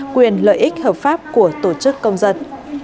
quyền lợi ích hợp pháp của tổ chức công dân